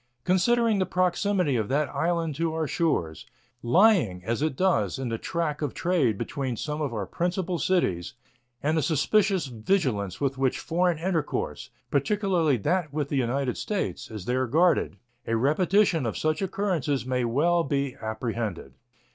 Considering the proximity of that island to our shores, lying, as it does, in the track of trade between some of our principal cities, and the suspicious vigilance with which foreign intercourse, particularly that with the United States, is there guarded, a repetition of such occurrences may well be apprehended.